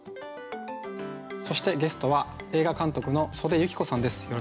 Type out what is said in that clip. そしてゲストは映画監督の岨手由貴子さんです。